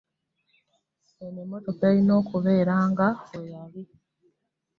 Eno emmotoka erina okubeera nga bwe yali.